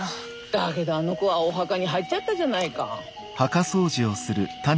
だけどあの子はお墓に入っちゃったじゃないか。